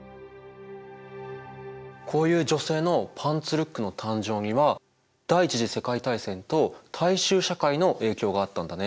こういう女性のパンツルックの誕生には第一次世界大戦と大衆社会の影響があったんだね。